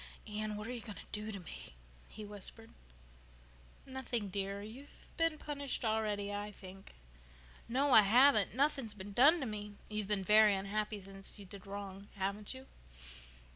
"Anne, what are you going to do to me?" he whispered. "Nothing, dear. You've been punished already, I think." "No, I haven't. Nothing's been done to me." "You've been very unhappy ever since you did wrong, haven't you?"